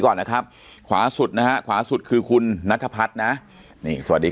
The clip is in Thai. ก่อนนะครับขวาสุดนะครับขวาสุดคือคุณณพัทนะนี่สวัสดี